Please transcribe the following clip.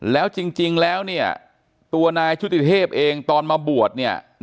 แล้วจริงแล้วตัวนายชุติเทพเองตอนมาบวช